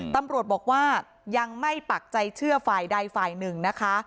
ตำรวจบอกว่ายังไม่ปักใจเชื่อฝ่ายใดฝ่ายหนึ่งนะคะ